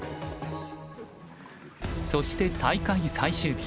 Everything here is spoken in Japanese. そして大会最終日。